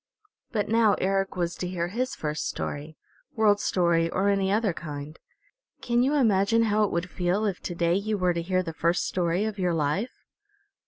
But now Eric was to hear his first story, World Story or any other kind. Can you imagine how it would feel if to day you were to hear the first story of your life?